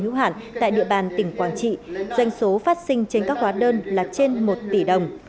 hữu hạn tại địa bàn tỉnh quảng trị doanh số phát sinh trên các hóa đơn là trên một tỷ đồng